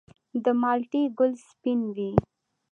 د مالټې ګل سپین وي؟